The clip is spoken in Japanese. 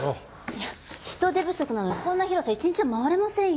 いや人手不足なのにこんな広さ１日じゃ回れませんよ。